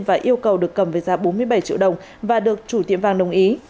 và yêu cầu được cầm với giá bốn mươi bảy triệu đồng và được chủ tiệm vàng đồng ý